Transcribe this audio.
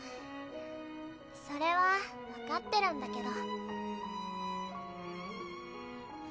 それは分かってるんだけど。